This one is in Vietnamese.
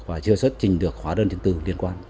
và chưa xuất trình được hóa đơn chứng từ liên quan